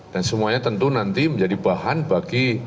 dan semuanya tentu nanti menjadi bahan bagi